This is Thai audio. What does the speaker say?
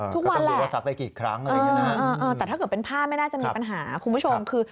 คือทุกวันแหละแต่ถ้าเกิดเป็นผ้าไม่น่าจะมีปัญหาคุณผู้ชมคือ